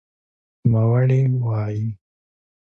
نوموړې وايي